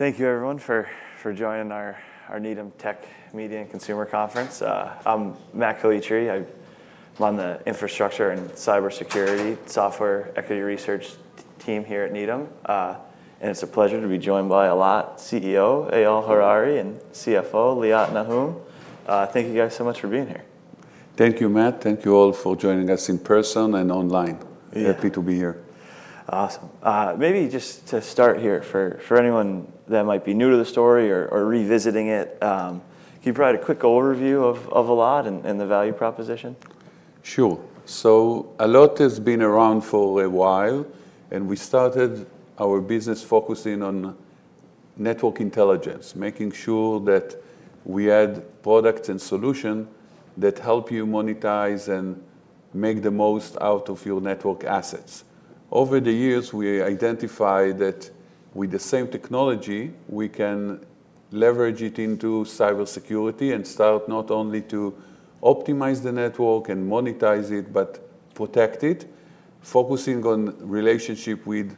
Thank you everyone for joining our Needham Technology, Media, & Consumer Conference. I'm Matthew Calitri. I run the infrastructure and cybersecurity software equity research team here at Needham. It's a pleasure to be joined by Allot CEO, Eyal Harari, and CFO, Liat Nahum. Thank you guys so much for being here. Thank you, Matt. Thank you all for joining us in person and online. Yeah. Happy to be here. Awesome. Maybe just to start here, for anyone that might be new to the story or revisiting it, can you provide a quick overview of Allot and the value proposition? Sure. Allot has been around for a while, and we started our business focusing on Network Intelligence, making sure that we had products and solution that help you monetize and make the most out of your network assets. Over the years, we identified that with the same technology, we can leverage it into cybersecurity and start not only to optimize the network and monetize it, but protect it, focusing on relationship with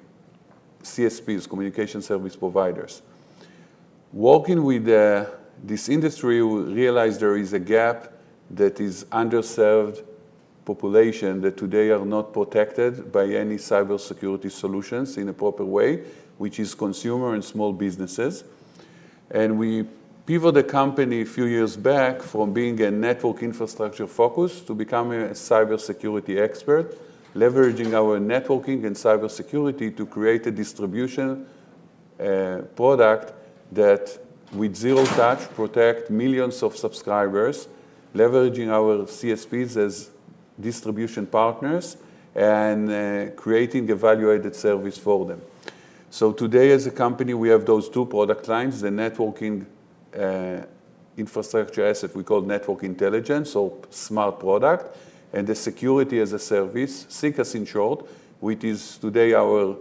CSPs, Communication Service Providers. Working with this industry, we realized there is a gap that is underserved population that today are not protected by any cybersecurity solutions in a proper way, which is consumer and small businesses. We pivot the company a few years back from being a network infrastructure focus to becoming a cybersecurity expert, leveraging our networking and cybersecurity to create a distribution product that with zero touch protect millions of subscribers, leveraging our CSPs as distribution partners and creating a value-added service for them. Today as a company we have those two product lines, the networking infrastructure asset we call Network Intelligence or Allot Smart, and the Security-as-a-Service, SECaaS in short, which is today our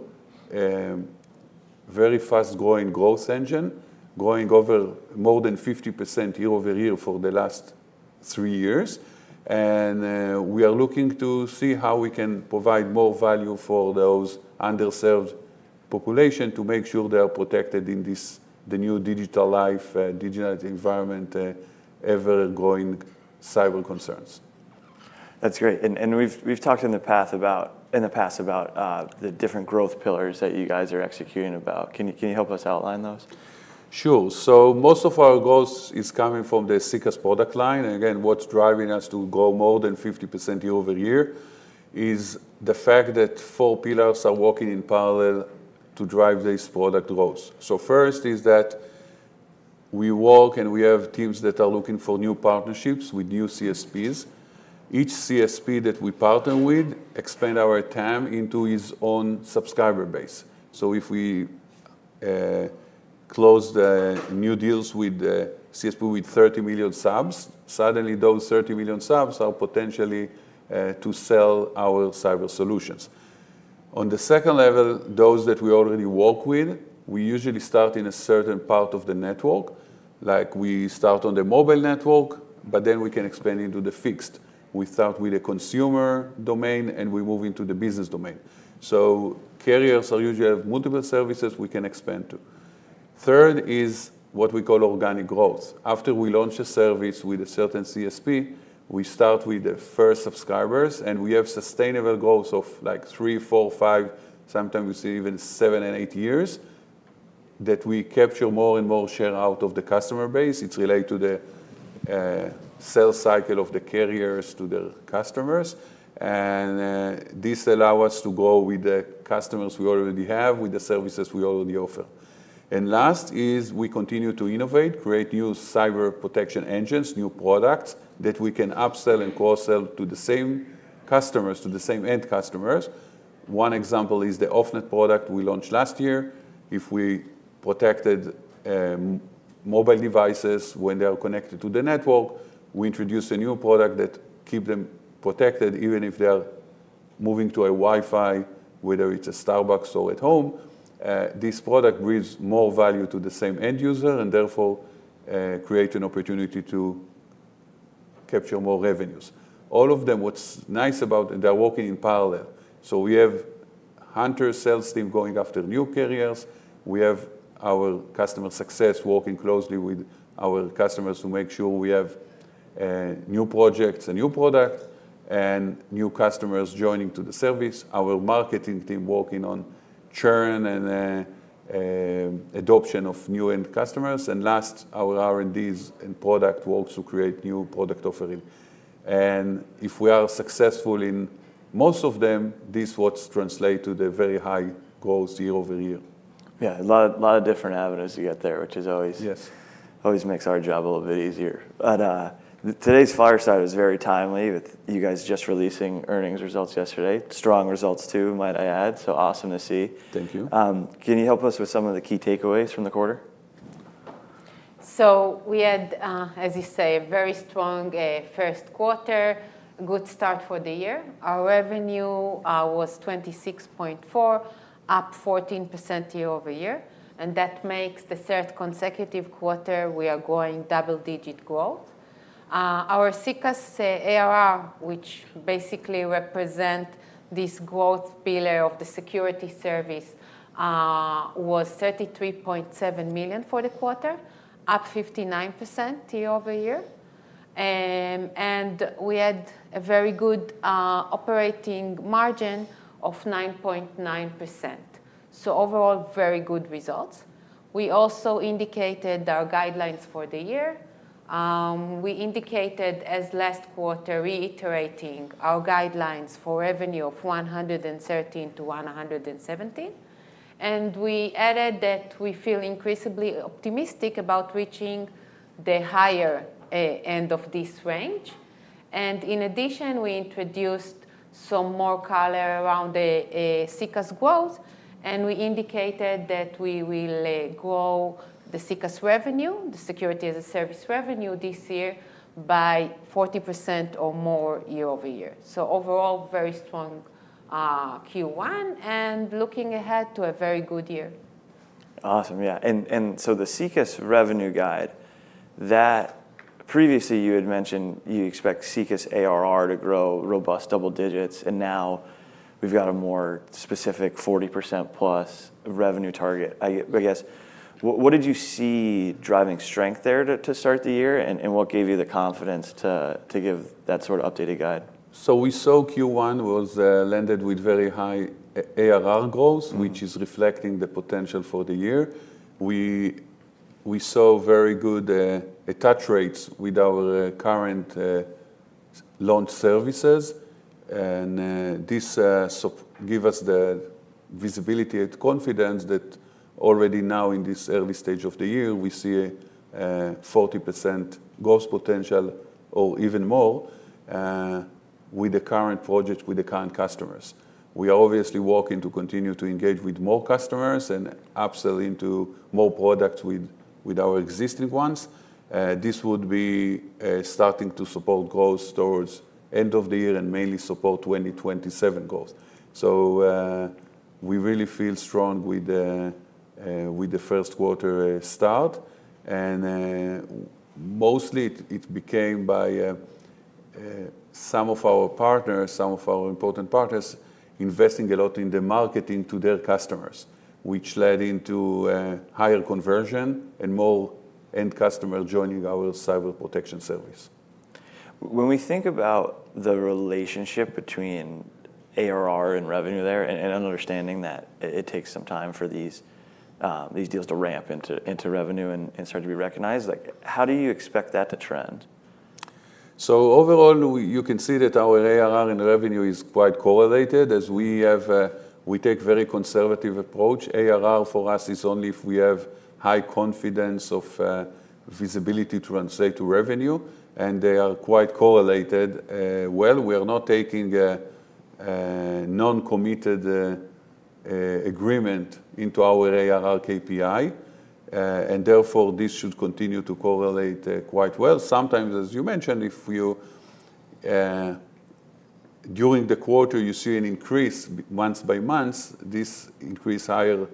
very fast-growing growth engine, growing over more than 50% year-over-year for the last three years. We are looking to see how we can provide more value for those underserved population to make sure they are protected in this, the new digital life, digital environment, ever-growing cyber concerns. That's great. We've talked in the past about the different growth pillars that you guys are executing about. Can you help us outline those? Sure. Most of our growth is coming from the SECaaS product line. Again, what's driving us to grow more than 50% year-over-year is the fact that four pillars are working in parallel to drive this product growth. First is that we work and we have teams that are looking for new partnerships with new CSPs. Each CSP that we partner with expand our TAM into its own subscriber base. If we close the new deals with the CSP with 30 million subs, suddenly those 30 million subs are potentially to sell our cyber solutions. On the second level, those that we already work with, we usually start in a certain part of the network. Like we start on the mobile network, but then we can expand into the fixed. We start with the consumer domain. We move into the business domain. Carriers usually have multiple services we can expand to. Third is what we call organic growth. After we launch a service with a certain CSP, we start with the first subscribers. We have sustainable growth of like three, four, five, sometimes we see even seven and eight years, that we capture more and more share out of the customer base. It's related to the sales cycle of the carriers to the customers. This allow us to grow with the customers we already have, with the services we already offer. Last is we continue to innovate, create new cyber protection engines, new products that we can upsell and cross-sell to the same customers, to the same end customers. One example is the OffNetSecure product we launched last year. If we protected mobile devices when they are connected to the network, we introduce a new product that keep them protected even if they are moving to a Wi-Fi, whether it's a Starbucks or at home. This product brings more value to the same end user and therefore, create an opportunity to capture more revenues. All of them, what's nice about, they're working in parallel. We have hunter sales team going after new carriers. We have our customer success working closely with our customers to make sure we have new projects and new product and new customers joining to the service. Our marketing team working on churn and adoption of new end customers. Last, our R&D and product works to create new product offering. If we are successful in most of them, this what translate to the very high growth year-over-year. Yeah, a lot of different avenues you got there, which is always- Yes always makes our job a little bit easier. Today's fireside was very timely with you guys just releasing earnings results yesterday. Strong results too, might I add. Awesome to see. Thank you. Can you help us with some of the key takeaways from the quarter? We had, as you say, a very strong first quarter, a good start for the year. Our revenue was $26.4 million, up 14% year-over-year. That makes the third consecutive quarter we are growing double-digit growth. Our SECaaS ARR, which basically represent this growth pillar of the security service, was $33.7 million for the quarter, up 59% year-over-year. We had a very good operating margin of 9.9%. Overall, very good results. We also indicated our guidelines for the year. We indicated as last quarter, reiterating our guidelines for revenue of $113-117 million, and we added that we feel increasingly optimistic about reaching the higher end of this range. In addition, we introduced some more color around the SECaaS growth, and we indicated that we will grow the SECaaS revenue, the Security-as-a-Service revenue this year, by 40% or more year-over-year. Overall, very strong Q1, and looking ahead to a very good year. Awesome. Yeah. The SECaaS revenue guide. Previously you had mentioned you expect SECaaS ARR to grow robust double digits, and now we've got a more specific 40%+ revenue target. I guess, what did you see driving strength there to start the year, and what gave you the confidence to give that sort of updated guide? We saw Q1 was, landed with very high ARR goals, which is reflecting the potential for the year. We saw very good attach rates with our current launch services. This give us the visibility and confidence that already now in this early stage of the year, we see 40% growth potential or even more with the current project with the current customers. We are obviously working to continue to engage with more customers and upsell into more products with our existing ones. This would be starting to support growth towards end of the year and mainly support 2027 goals. We really feel strong with the first quarter start. Mostly it became by some of our partners, some of our important partners investing a lot in the marketing to their customers, which led into higher conversion and more end customer joining our cyber protection service. When we think about the relationship between ARR and revenue there, and understanding that it takes some time for these deals to ramp into revenue and start to be recognized, like how do you expect that to trend? Overall, we, you can see that our ARR and revenue is quite correlated as we have, we take very conservative approach. ARR for us is only if we have high confidence of visibility to translate to revenue, and they are quite correlated well. We are not taking non-committed agreement into our ARR KPI. Therefore this should continue to correlate quite well. Sometimes, as you mentioned, if you during the quarter you see an increase month-by-month, this increase higher,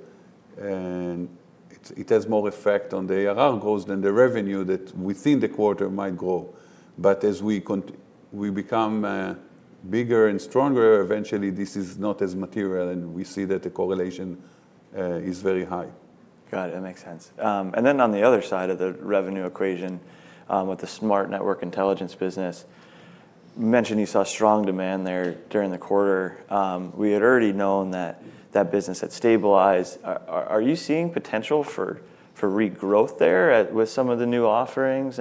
it has more effect on the ARR goals than the revenue that within the quarter might grow. As we become bigger and stronger, eventually this is not as material and we see that the correlation is very high. Got it. That makes sense. On the other side of the revenue equation, with the Smart Network Intelligence business, you mentioned you saw strong demand there during the quarter. Are you seeing potential for regrowth there with some of the new offerings?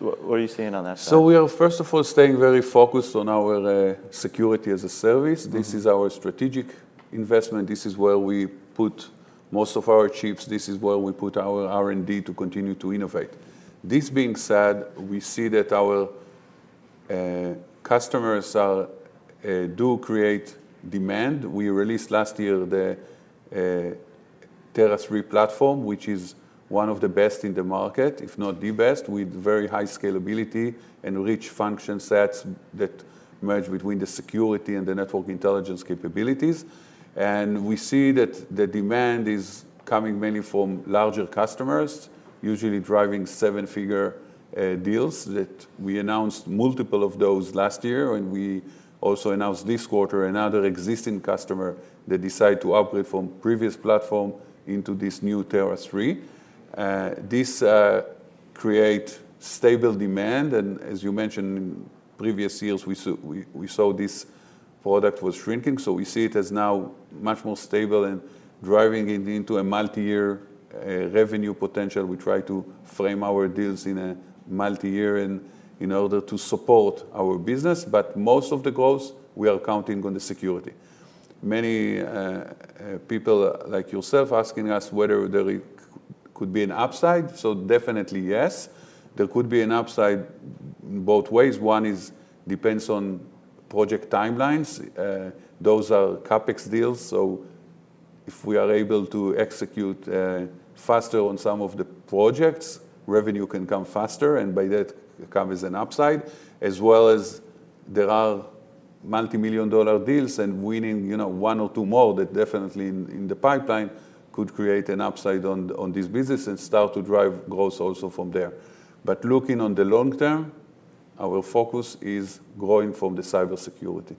What are you seeing on that side? We are first of all staying very focused on our Security-as-a-Service. This is our strategic investment. This is where we put most of our chips. This is where we put our R&D to continue to innovate. This being said, we see that our customers do create demand. We released last year the Tera III platform, which is one of the best in the market, if not the best, with very high scalability and rich function sets that merge between the security and the Network Intelligence capabilities. We see that the demand is coming mainly from larger customers, usually driving seven-figure deals that we announced multiple of those last year and we also announced this quarter another existing customer that decide to upgrade from previous platform into this new Tera III. This create stable demand and as you mentioned in previous years, we saw this product was shrinking, so we see it as now much more stable and driving it into a multi-year revenue potential. We try to frame our deals in a multi-year in order to support our business, but most of the goals we are counting on the security. Many people like yourself asking us whether there could be an upside. Definitely yes, there could be an upside both ways. One is depends on project timelines. Those are CapEx deals, so if we are able to execute faster on some of the projects, revenue can come faster, and by that come as an upside. As well as Multi-million dollar deals and winning, you know, one or two more that definitely in the pipeline could create an upside on this business and start to drive growth also from there. Looking on the long term, our focus is growing from the cybersecurity.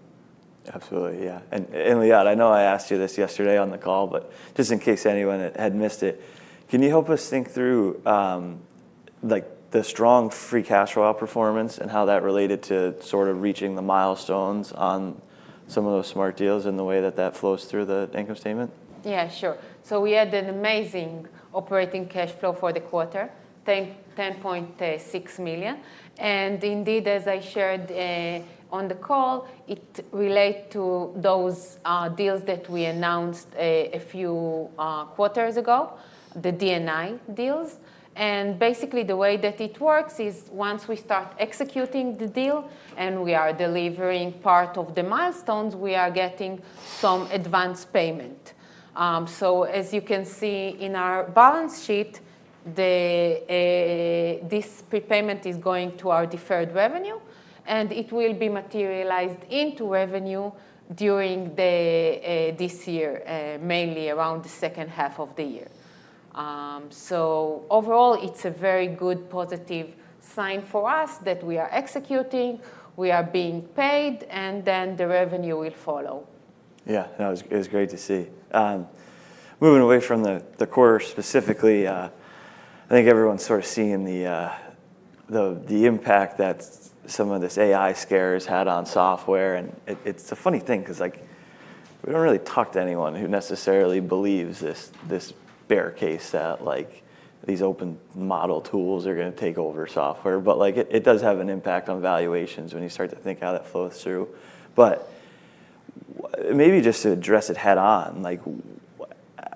Absolutely, yeah. Liat, I know I asked you this yesterday on the call, but just in case anyone had missed it, can you help us think through, like, the strong free cash flow performance and how that related to sort of reaching the milestones on some of those Allot Smart deals and the way that that flows through the income statement? Yeah, sure. We had an amazing operating cash flow for the quarter, $10.6 million. Indeed, as I shared on the call, it relate to those deals that we announced a few quarters ago, the DI deals. Basically, the way that it works is once we start executing the deal and we are delivering part of the milestones, we are getting some advanced payment. As you can see in our balance sheet, this prepayment is going to our deferred revenue, and it will be materialized into revenue during this year, mainly around the second half of the year. Overall, it's a very good positive sign for us that we are executing, we are being paid, and then the revenue will follow. Yeah. No, it was, it was great to see. Moving away from the quarter specifically, I think everyone's sort of seeing the impact that some of this AI scare has had on software, and it's a funny thing, 'cause, like, we don't really talk to anyone who necessarily believes this bear case that, like, these open model tools are gonna take over software. Like, it does have an impact on valuations when you start to think how that flows through. Maybe just to address it head-on, like,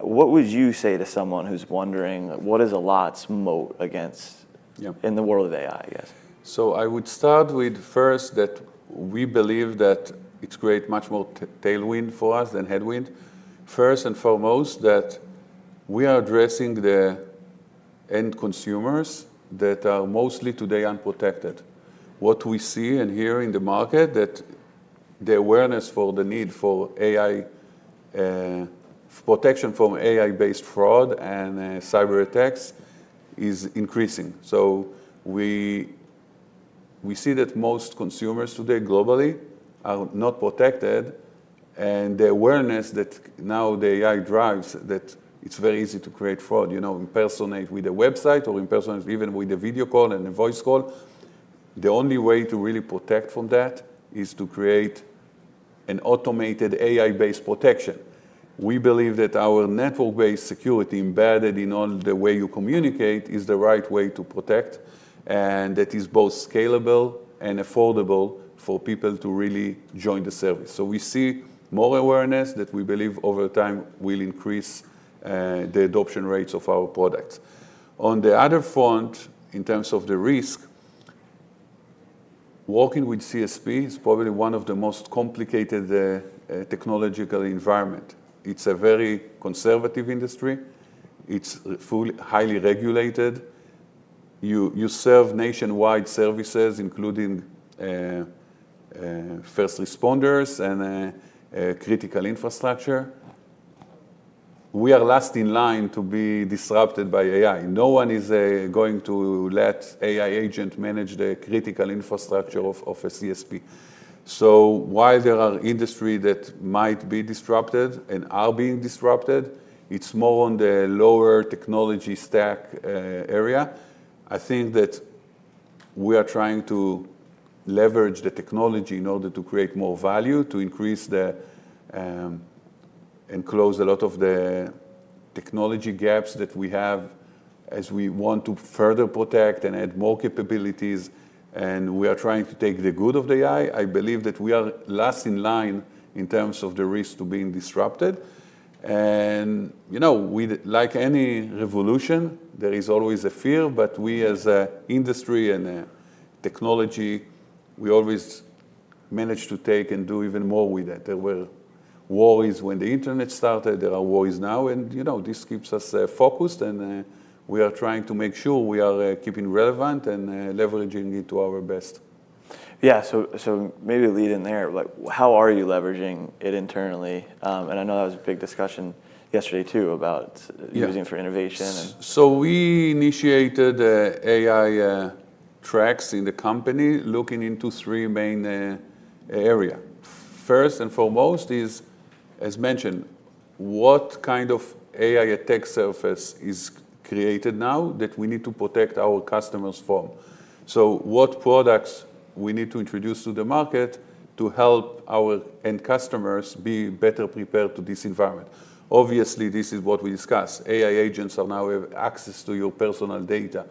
what would you say to someone who's wondering what is Allot's moat against? Yeah in the world of AI, I guess? I would start with first that we believe that it's create much more tailwind for us than headwind. First and foremost, that we are addressing the end consumers that are mostly today unprotected. What we see and hear in the market, that the awareness for the need for AI protection from AI-based fraud and cyberattacks is increasing. We see that most consumers today globally are not protected, and the awareness that now the AI drives, that it's very easy to create fraud, you know, impersonate with a website or impersonate even with a video call and a voice call. The only way to really protect from that is to create an automated AI-based protection. We believe that our network-based security embedded in all the way you communicate is the right way to protect, and that is both scalable and affordable for people to really join the service. We see more awareness that we believe over time will increase the adoption rates of our products. On the other front, in terms of the risk, working with CSP is probably one of the most complicated technological environment. It's a very conservative industry. It's fully, highly regulated. You serve nationwide services, including first responders and critical infrastructure. We are last in line to be disrupted by AI. No one is going to let AI agent manage the critical infrastructure of a CSP. While there are industry that might be disrupted and are being disrupted, it's more on the lower technology stack area. I think that we are trying to leverage the technology in order to create more value, to increase the, and close a lot of the technology gaps that we have as we want to further protect and add more capabilities, and we are trying to take the good of the AI. I believe that we are last in line in terms of the risk to being disrupted, and, you know, with, like any revolution, there is always a fear. We as a industry and a technology, we always manage to take and do even more with it. There were worries when the internet started, there are worries now, and, you know, this keeps us focused, and we are trying to make sure we are keeping relevant and leveraging it to our best. Yeah, maybe to lead in there, like, how are you leveraging it internally? I know that was a big discussion yesterday too using for innovation. We initiated AI tracks in the company, looking into three main area. First and foremost is, as mentioned, what kind of AI attack surface is created now that we need to protect our customers from? What products we need to introduce to the market to help our end customers be better prepared to this environment? Obviously, this is what we discussed. AI agents now have access to your personal data.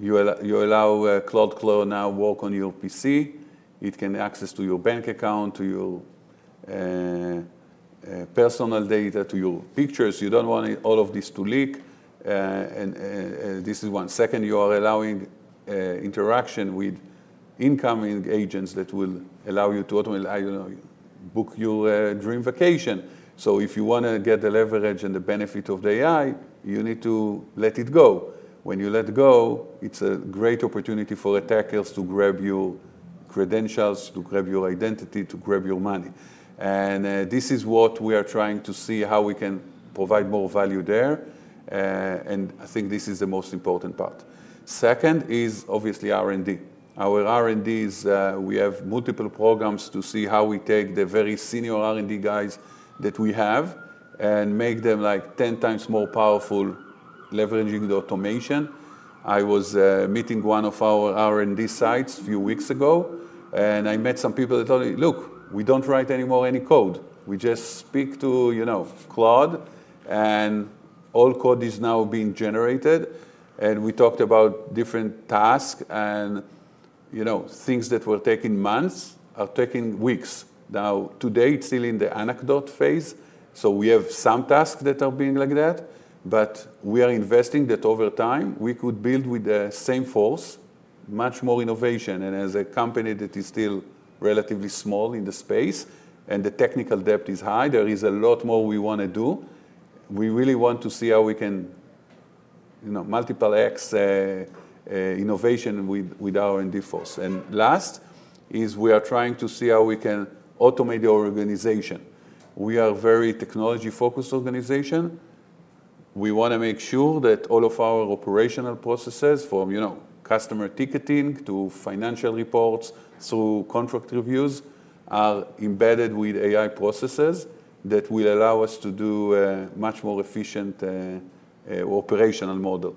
You allow Claude now work on your PC. It can access to your bank account, to your personal data, to your pictures. You don't want all of this to leak. This is one. Second, you are allowing interaction with incoming agents that will allow you to automate, I don't know-Book your dream vacation. If you wanna get the leverage and the benefit of the AI, you need to let it go. When you let go, it's a great opportunity for attackers to grab your credentials, to grab your identity, to grab your money. This is what we are trying to see how we can provide more value there. I think this is the most important part. Second is obviously R&D. Our R&Ds, we have multiple programs to see how we take the very senior R&D guys that we have and make them, like, 10x more powerful, leveraging the automation. I was meeting one of our R&D sites a few weeks ago, and I met some people that told me, "Look, we don't write any more any code. We just speak to, you know, Claude, and all code is now being generated. We talked about different tasks and, you know, things that were taking months are taking weeks. Now, today, it's still in the anecdote phase, so we have some tasks that are being like that. We are investing that over time, we could build with the same force, much more innovation. As a company that is still relatively small in the space and the technical depth is high, there is a lot more we wanna do. We really want to see how we can, you know, multiple X innovation with our R&D force. Last is we are trying to see how we can automate the organization. We are very technology-focused organization. We wanna make sure that all of our operational processes from, you know, customer ticketing to financial reports, through contract reviews, are embedded with AI processes that will allow us to do a much more efficient, operational model.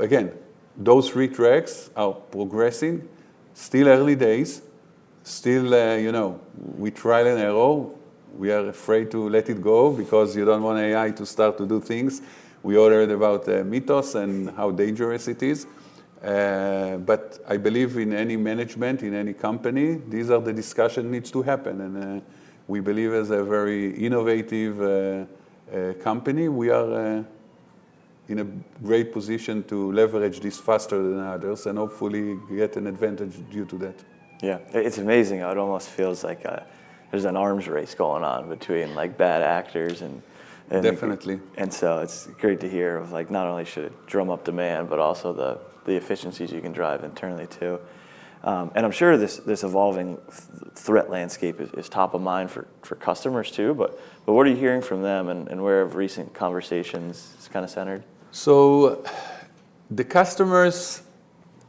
Again, those three tracks are progressing. Still early days. Still, you know, we trial and error. We are afraid to let it go because you don't want AI to start to do things. We all read about Mythos and how dangerous it is. I believe in any management, in any company, these are the discussion needs to happen. We believe as a very innovative company, we are in a great position to leverage this faster than others and hopefully get an advantage due to that. Yeah. It's amazing how it almost feels like there's an arms race going on between, like, bad actors. Definitely. It's great to hear of, like, not only should it drum up demand, but also the efficiencies you can drive internally too. I'm sure this evolving threat landscape is top of mind for customers too. What are you hearing from them and where have recent conversations kind of centered? The customers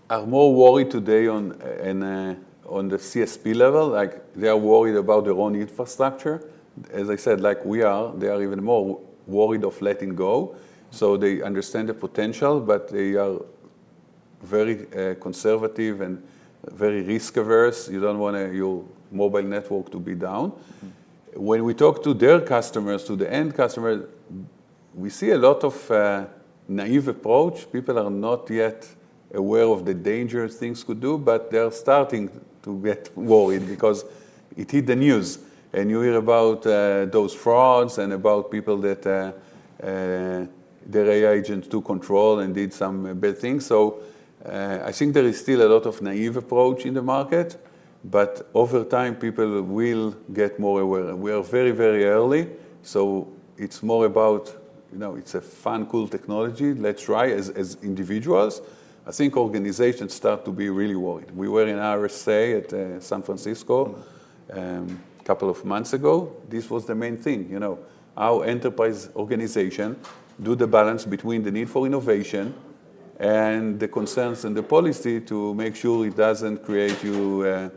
are more worried today on the CSP level. Like, they are worried about their own infrastructure. As I said, like they are even more worried of letting go. They understand the potential, but they are very conservative and very risk-averse. You don't want your mobile network to be down. When we talk to their customers, to the end customer, we see a lot of naive approach. People are not yet aware of the dangerous things could do, but they are starting to get worried because it hit the news, and you hear about those frauds and about people that their AI agent took control and did some bad things. I think there is still a lot of naive approach in the market, but over time, people will get more aware. We are very, very early. It's more about, you know, it's a fun, cool technology. Let's try as individuals. I think organizations start to be really worried. We were in RSA at San Francisco a couple of months ago. This was the main thing, you know. How enterprise organization do the balance between the need for innovation and the concerns and the policy to make sure it doesn't create you a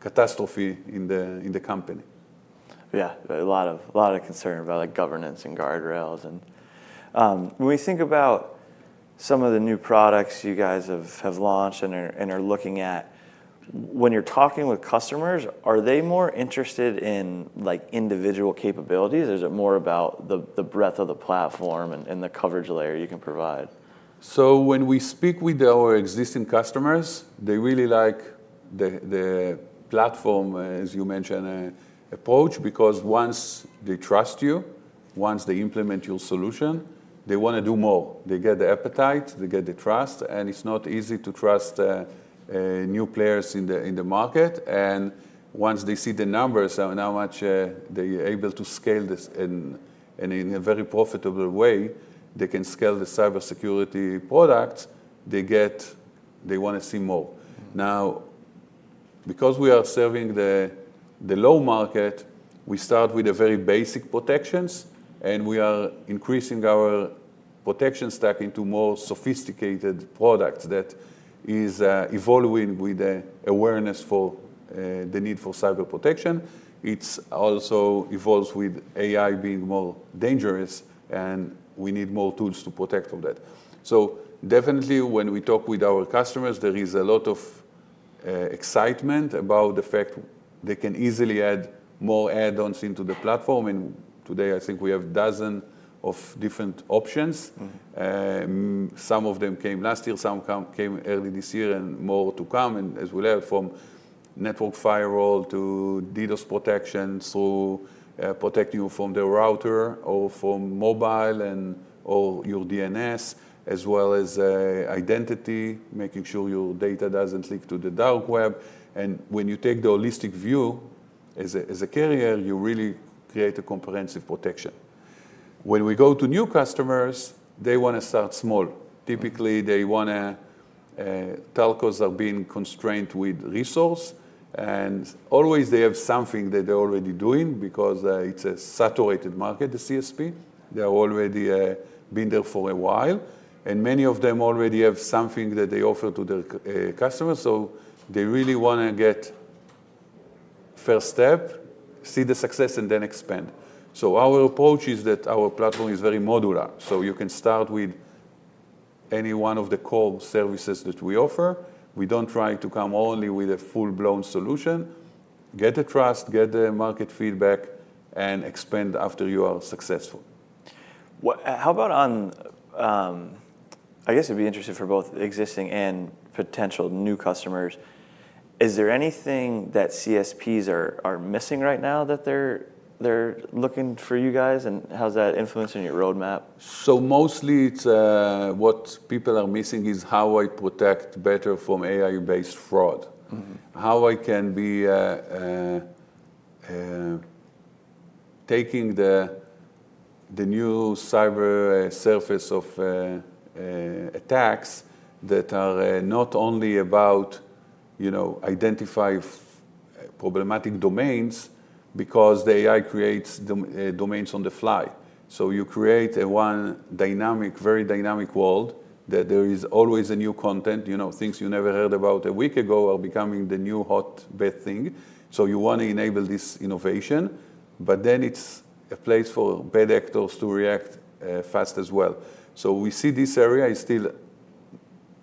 catastrophe in the company. Yeah, a lot of, a lot of concern about like governance and guardrails. When we think about some of the new products you guys have launched and are looking at, when you're talking with customers, are they more interested in like individual capabilities, or is it more about the breadth of the platform and the coverage layer you can provide? When we speak with our existing customers, they really like the platform, as you mentioned, approach, because once they trust you, once they implement your solution, they wanna do more. They get the appetite, they get the trust, and it's not easy to trust new players in the market. Once they see the numbers and how much they are able to scale this in a very profitable way, they can scale the cybersecurity products, They wanna see more. Because we are serving the low market, we start with a very basic protections, and we are increasing our protection stack into more sophisticated products that is evolving with the awareness for the need for cyber protection. It's also evolves with AI being more dangerous, and we need more tools to protect from that. Definitely when we talk with our customers, there is a lot of excitement about the fact they can easily add more add-ons into the platform. Today, I think we have 12 different options. Some of them came last year, some came early this year and more to come. As well from network firewall to DDoS protection, so, protecting you from the router or from mobile and, or your DNS, as well as identity, making sure your data doesn't leak to the dark web. When you take the holistic view as a carrier, you really create a comprehensive protection. When we go to new customers, they wanna start small. Typically, they wanna, telcos are being constrained with resource, and always they have something that they're already doing because it's a saturated market, the CSP. They are already been there for a while, and many of them already have something that they offer to their customers, so they really wanna get first step, see the success, and then expand. Our approach is that our platform is very modular, so you can start with any one of the core services that we offer. We don't try to come only with a full-blown solution. Get the trust, get the market feedback, and expand after you are successful. What, how about on, I guess it'd be interesting for both existing and potential new customers, is there anything that CSPs are missing right now that they're looking for you guys, and how's that influencing your roadmap? Mostly it's, what people are missing is how I protect better from AI-based fraud. How I can be taking the new cyber surface of attacks that are not only about, you know, identify problematic domains because the AI creates domains on the fly. You create a one dynamic, very dynamic world that there is always a new content. You know, things you never heard about a week ago are becoming the new hotbed thing. You wanna enable this innovation, but then it's a place for bad actors to react fast as well. We see this area is still,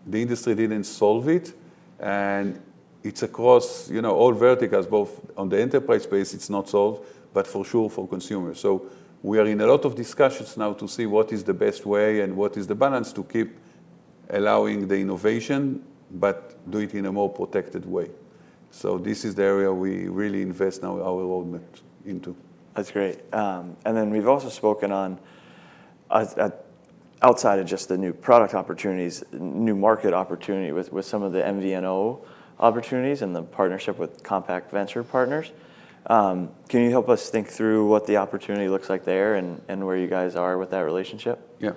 the industry didn't solve it, and it's across, you know, all verticals, both on the enterprise space, it's not solved, but for sure for consumers. We are in a lot of discussions now to see what is the best way and what is the balance to keep allowing the innovation, but do it in a more protected way. This is the area we really invest now our roadmap into. That's great. We've also spoken on outside of just the new product opportunities, new market opportunity with some of the MVNO opportunities and the partnership with CompaxDigital Venture Partners. Can you help us think through what the opportunity looks like there and where you guys are with that relationship? Yeah.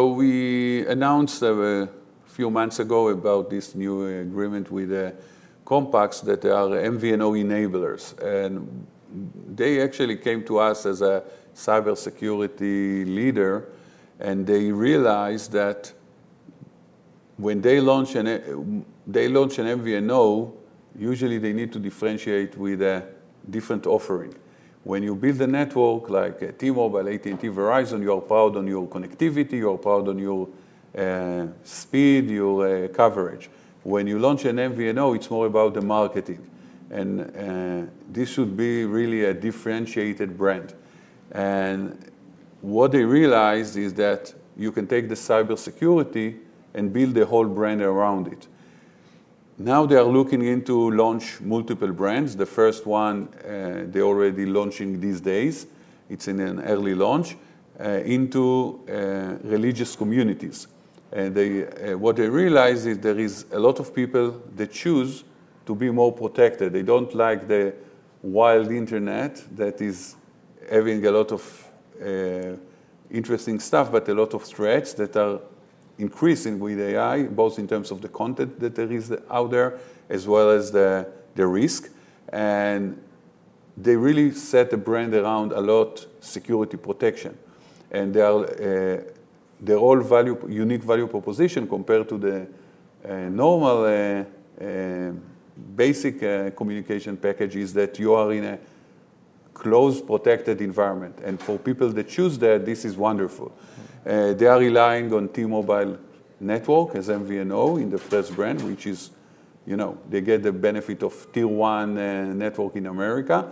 We announced a few months ago about this new agreement with CompaxDigital that are MVNO enablers. They actually came to us as a cybersecurity leader. They realized that when they launch an MVNO, usually they need to differentiate with a different offering. When you build a network like T-Mobile, AT&T, Verizon, you are proud on your connectivity, you are proud on your speed, your coverage. When you launch an MVNO, it's more about the marketing, this should be really a differentiated brand. What they realized is that you can take the cybersecurity and build a whole brand around it. Now they are looking into launch multiple brands. The first one, they're already launching these days, it's in an early launch into religious communities. They, what they realize is there is a lot of people that choose to be more protected. They don't like the wild internet that is having a lot of interesting stuff, but a lot of threats that are increasing with AI, both in terms of the content that there is out there, as well as the risk. They really set a brand around Allot security protection. Their whole value, unique value proposition compared to the normal basic communication package is that you are in a closed, protected environment. For people that choose that, this is wonderful. They are relying on T-Mobile network as MVNO in the first brand, which is, you know, they get the benefit of tier 1 network in America.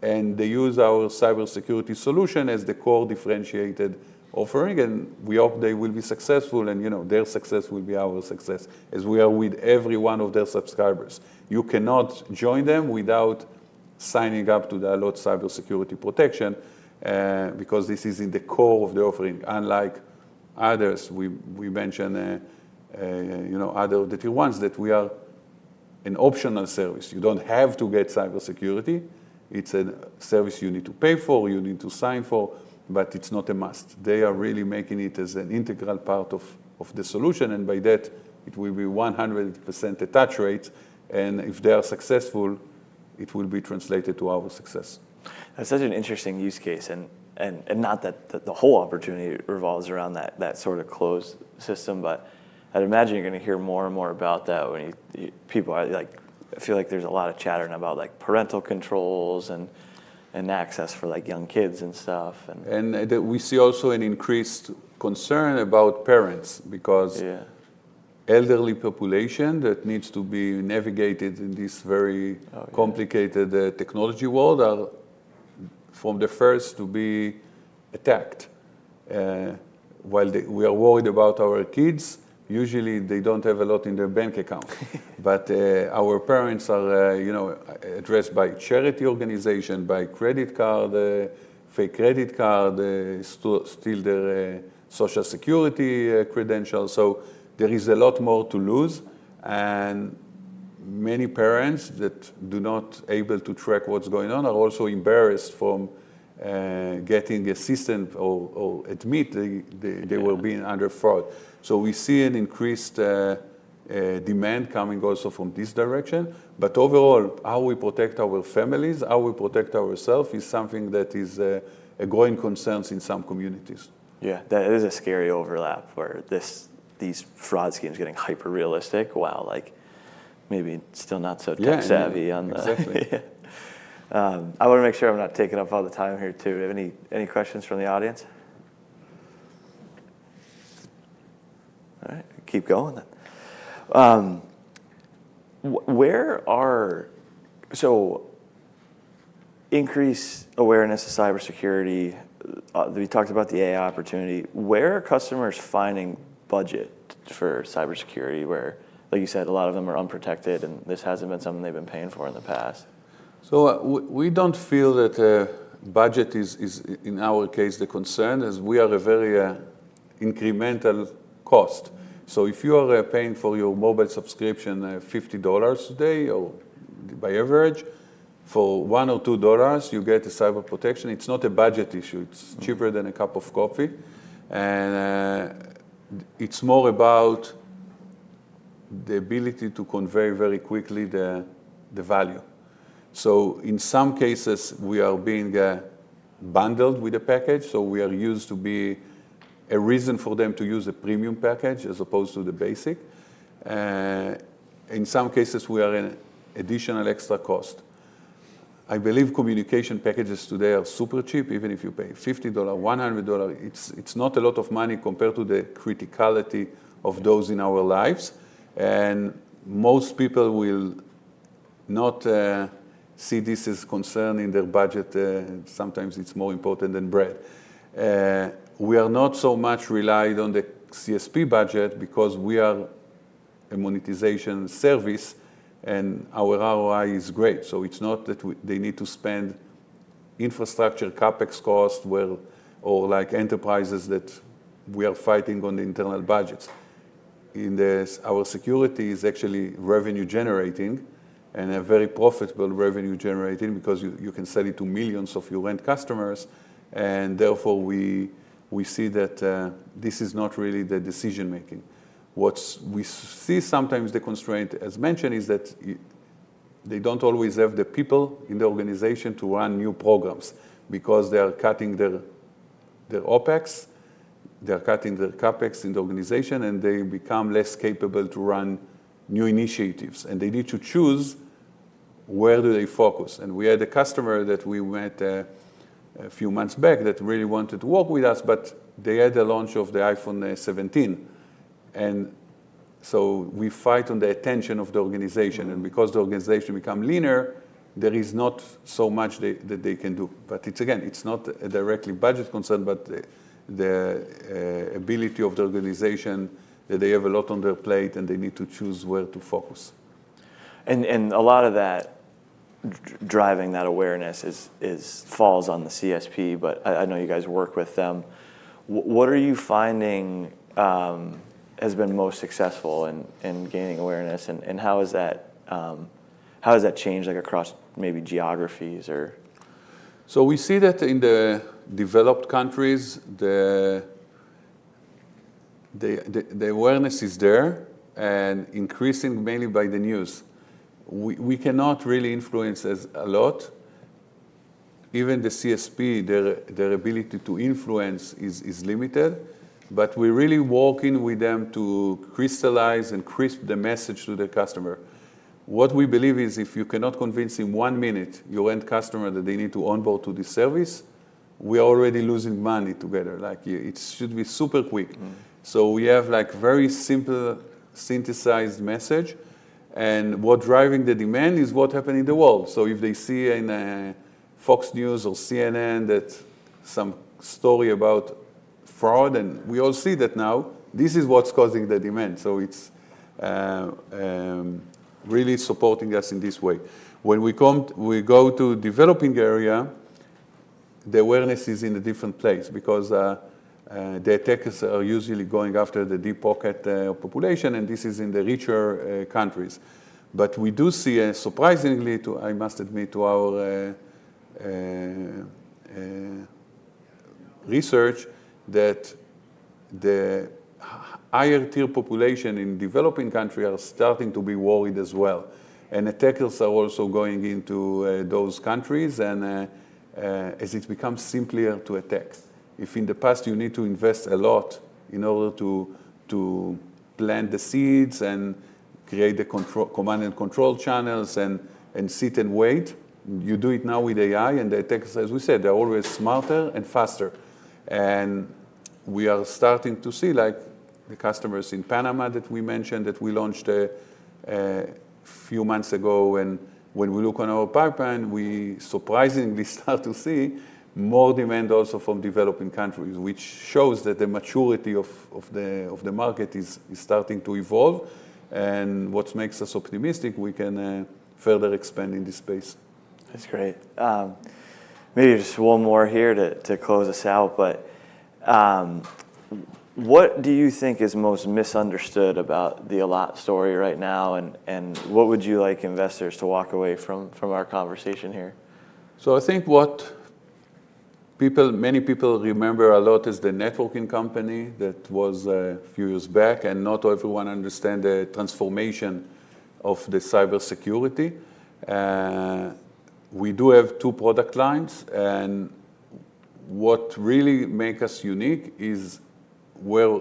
They use our cybersecurity solution as the core differentiated offering, and we hope they will be successful and, you know, their success will be our success, as we are with every one of their subscribers. You cannot join them without signing up to the Allot cybersecurity protection, because this is in the core of the offering, unlike others. We mentioned, you know, other, the tier 1s, that we are an optional service. You don't have to get cybersecurity. It's a service you need to pay for, you need to sign for, but it's not a must. They are really making it as an integral part of the solution, and by that, it will be a 100% attach rate, and if they are successful, it will be translated to our success. That's such an interesting use case, not that the whole opportunity revolves around that sort of closed system, I'd imagine you're gonna hear more and more about that when people are like, feel like there's a lot of chattering about, like, parental controls and access for, like, young kids and stuff. We see also an increased concern about parents because elderly population that needs to be navigated in this complicated, technology world are from the first to be attacked. Yeah While they, we are worried about our kids, usually they don't have a lot in their bank account. our parents are, you know, addressed by charity organization, by credit card, fake credit card, steal their Social Security credentials. Many parents that do not able to track what's going on are also embarrassed from getting assistance or admitting they will be under fraud. We see an increased demand coming also from this direction. Overall, how we protect our families, how we protect ourselves is something that is a growing concern in some communities. Yeah, that is a scary overlap where this, these fraud schemes getting hyper-realistic while, like, maybe still not so tech-savvy. Yeah, exactly. I wanna make sure I'm not taking up all the time here too. Do we have any questions from the audience? All right, keep going then. increase awareness to cybersecurity, we talked about the AI opportunity. Where are customers finding budget for cybersecurity, where, like you said, a lot of them are unprotected, and this hasn't been something they've been paying for in the past? We don't feel that budget is in our case the concern, as we are a very incremental cost. If you are paying for your mobile subscription $50 today or by average, for $1 or $2, you get the cyber protection. It's not a budget issue. It's cheaper than a cup of coffee. It's more about the ability to convey very quickly the value. In some cases, we are being bundled with a package, so we are used to be a reason for them to use a premium package as opposed to the basic. In some cases, we are an additional extra cost. I believe communication packages today are super cheap. Even if you pay $50, $100, it's not a lot of money compared to the criticality of those in our lives, and most people will not see this as concerning their budget. Sometimes it's more important than bread. We are not so much relied on the CSP budget because we are a monetization service, and our ROI is great. It's not that they need to spend infrastructure, CapEx cost, or, like, enterprises that we are fighting on the internal budgets. In this, our security is actually revenue generating, and a very profitable revenue generating because you can sell it to millions of your end customers. Therefore, we see that this is not really the decision-making. What we see sometimes the constraint, as mentioned, is that they don't always have the people in the organization to run new programs because they are cutting their OpEx, they are cutting their CapEx in the organization. They become less capable to run new initiatives. They need to choose where do they focus. We had a customer that we met a few months back that really wanted to work with us, but they had the launch of the iPhone 17. We fight on the attention of the organization. Because the organization become leaner, there is not so much that they can do. It's again, it's not a directly budget concern, but the ability of the organization, that they have a lot on their plate. They need to choose where to focus. A lot of that driving that awareness falls on the CSP, but I know you guys work with them. What are you finding has been most successful in gaining awareness, and how is that how has that changed, like, across maybe geographies or? We see that in the developed countries, the awareness is there and increasing mainly by the news. We cannot really influence as Allot. Even the CSP, their ability to influence is limited. We're really working with them to crystallize and crisp the message to the customer. What we believe is if you cannot convince in one minute your end customer that they need to onboard to this service, we are already losing money together. Like, it should be super quick. We have, like, very simple synthesized message, and what driving the demand is what happen in the world. If they see in Fox News or CNN that some story about fraud, and we all see that now, this is what's causing the demand. It's really supporting us in this way. When we come, we go to developing area, the awareness is in a different place because the attackers are usually going after the deep pocket population, and this is in the richer countries. We do see a surprisingly, to, I must admit, to our research that the higher tier population in developing country are starting to be worried as well. Attackers are also going into those countries and as it becomes simpler to attack. If in the past you need to invest a lot in order to plant the seeds and create the control, command and control channels and sit and wait, you do it now with AI. The attackers, as we said, they're always smarter and faster. We are starting to see, like, the customers in Panama that we mentioned, that we launched a few months ago. When we look on our pipeline, we surprisingly start to see more demand also from developing countries, which shows that the maturity of the market is starting to evolve. What makes us optimistic, we can further expand in this space. That's great. Maybe just one more here to close us out, but what do you think is most misunderstood about the Allot story right now, and what would you like investors to walk away from our conversation here? I think what people, many people remember Allot is the networking company that was a few years back, and not everyone understand the transformation of the cybersecurity. We do have two product lines, and what really make us unique is where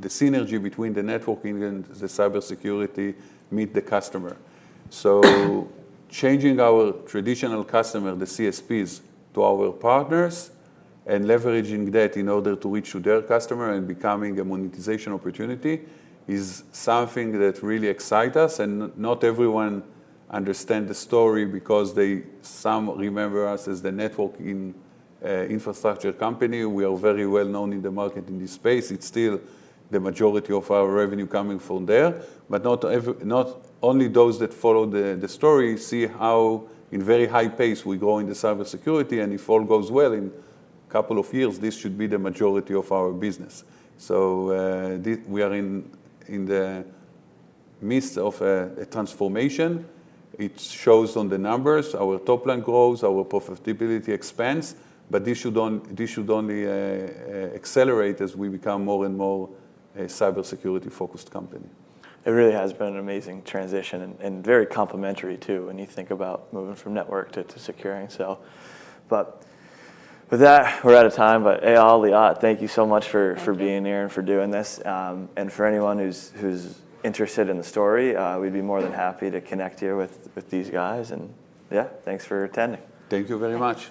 the synergy between the networking and the cybersecurity meet the customer. Changing our traditional customer, the CSPs, to our partners, and leveraging that in order to reach to their customer and becoming a monetization opportunity is something that really excite us, and not everyone understand the story because they, some remember us as the networking infrastructure company. We are very well known in the market in this space. It is still the majority of our revenue coming from there. Not only those that follow the story see how in very high pace we go into cybersecurity, and if all goes well, in couple of years, this should be the majority of our business. We are in the midst of a transformation. It shows on the numbers, our top line growth, our profitability expands, this should only accelerate as we become more and more a cybersecurity-focused company. It really has been an amazing transition and very complimentary too when you think about moving from network to securing. But with that, we're out of time, but Eyal, Liat, thank you so much for being here and for doing this. For anyone who's interested in the story, we'd be more than happy to connect you with these guys. Yeah, thanks for attending. Thank you very much.